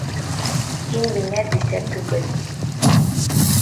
Һин миңә бисә түгел.